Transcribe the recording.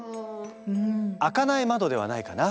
開かない窓ではないかな。